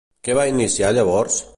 Què va iniciar llavors?